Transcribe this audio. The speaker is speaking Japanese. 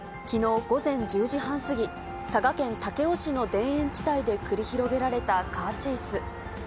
きのう午前１０時半過ぎ、佐賀県武雄市の田園地帯で繰り広げられたカーチェイス。